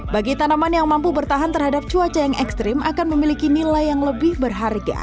bagi tanaman yang mampu bertahan terhadap cuaca yang ekstrim akan memiliki nilai yang lebih berharga